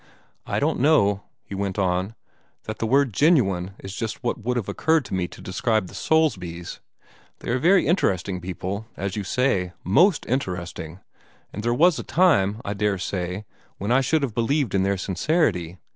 "I don't know," he went on, "that the word 'genuine' is just what would have occurred to me to describe the Soulsbys. They are very interesting people, as you say MOST interesting and there was a time, I dare say, when I should have believed in their sincerity.